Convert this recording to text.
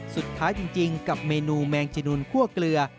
สุดท้ายจริงกับเมนูแมงจนุนขั้วเกลือ